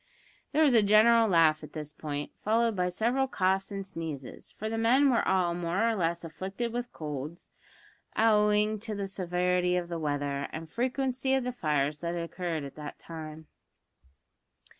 There was a general laugh at this point, followed by several coughs and sneezes, for the men were all more or less afflicted with colds, owing to the severity of the weather and the frequency of the fires that had occurred at that time.